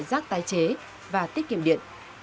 loại rác tái chế và tiết kiệm điện